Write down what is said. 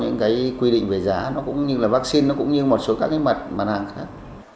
những cái quy định về giá nó cũng như là vaccine nó cũng như một số các cái mặt mặt hàng khác